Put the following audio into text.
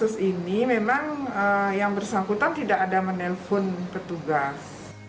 kasus ini memang yang bersangkutan tidak ada menelpon petugas